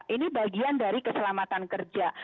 ini bagian dari keselamatan kerja